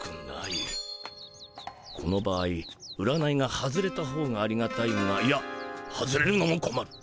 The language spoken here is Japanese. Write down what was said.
この場合占いが外れたほうがありがたいがいや外れるのもこまる。